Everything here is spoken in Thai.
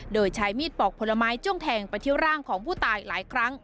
โดยใช้มีดปอกผลไม้จ้วงแทงไปที่ร่างของผู้ตายหลายครั้ง